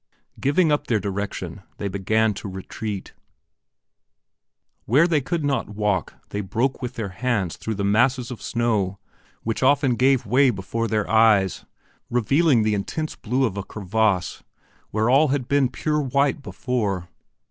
Giving up their direction, they began, to retreat. Where they could not walk they broke with their hands through the masses of snow which often gave way before their eyes, revealing the intense blue of a crevasse where all had been pure white before.